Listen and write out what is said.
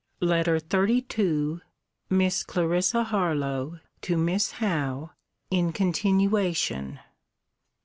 LETTER XXXII MISS CLARISSA HARLOWE, TO MISS HOWE [IN CONTINUATION.